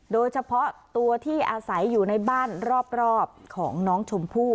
โดยเฉพาะตัวที่อาศัยอยู่ในบ้านรอบของน้องชมพู่